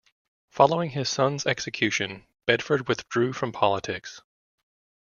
Following his son's execution, Bedford withdrew from politics.